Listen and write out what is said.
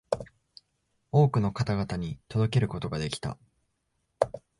多くの方々に届けることができた